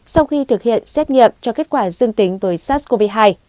sau khi thực hiện xét nghiệm cho kết quả dương tính với sars cov hai